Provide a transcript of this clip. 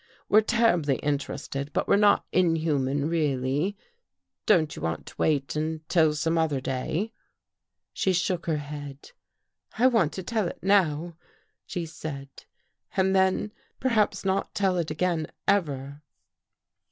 " We're terribly interested, but we're not inhuman really. Don't you want to wait until some other day? " She shook her head. " I want to tell it now," she said, " and then perhaps not tell it again, ever.